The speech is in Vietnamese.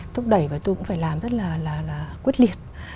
thúc đẩy và tôi cũng phải làm rất là là là quyết liệt